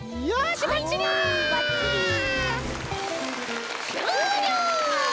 しゅうりょう！